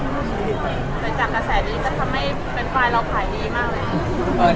แต่จากกระแสนี้จะทำให้แฟนไฟล์เราขายดีมากเลย